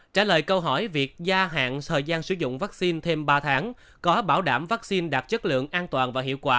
trả lời câu hỏi việc gia hạn thời gian sử dụng vaccine thêm ba tháng có bảo đảm vaccine đạt chất lượng an toàn và hiệu quả